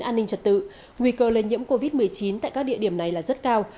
an ninh trật tự nguy cơ lây nhiễm covid một mươi chín tại các địa điểm này là rất cao